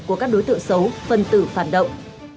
của các đối tượng xấu phân tử phản động